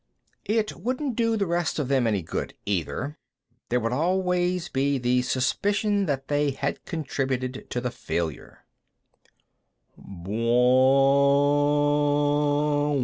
It wouldn't do the rest of them any good, either. There would always be the suspicion that they had contributed to the failure.